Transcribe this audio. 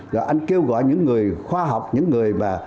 rồi anh kêu gọi những người khoa học những người mà